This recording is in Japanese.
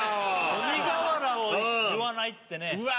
鬼瓦を言わないってねうわ